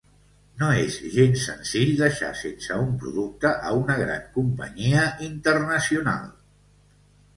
No és gens senzill deixar sense un producte a una gran companyia internacional